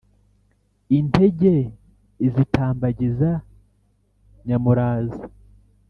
Intege izitambagiza nyamuraza